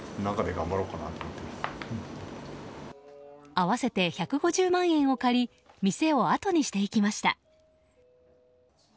合わせて１５０万円を借り店をあとにしていきました。